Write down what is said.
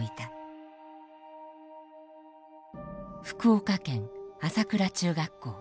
福岡県朝倉中学校。